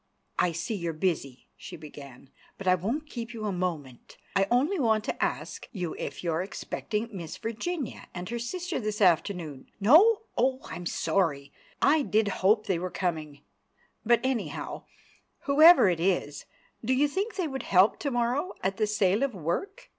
"I see you're busy," she began; "but I won't keep you a moment. I only want to ask you if you're expecting Miss Virginia and her sister this afternoon? No? Oh, I am sorry! I did hope they were coming. But, anyhow, whoever it is, do you think they would help to morrow at the Sale of Work?